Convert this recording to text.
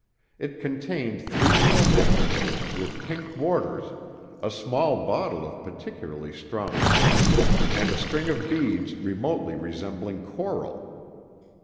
It contained three little handkerchiefs with pink borders, a small bottle of particularly strong scent, and a string of beads remotely resembling coral.